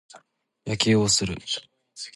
野球をする。